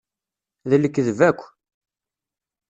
D lekdeb akk.